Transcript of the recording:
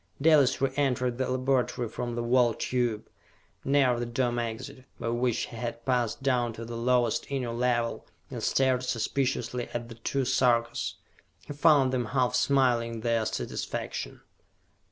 Dalis re entered the laboratory from the Wall Tube, near the Dome Exit, by which he had passed down to the lowest Inner Level, and stared suspiciously at the two Sarkas. He found them half smiling their satisfaction.